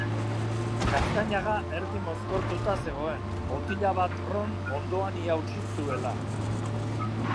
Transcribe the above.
Gaztañaga erdi mozkortuta zegoen, botila bat ron ondoan ia hutsik zuela.